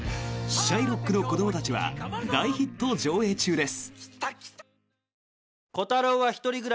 「シャイロックの子供たち」は大ヒット上映中です。